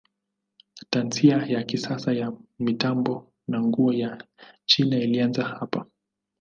Tasnia ya kisasa ya mitambo na nguo ya China ilianza hapa.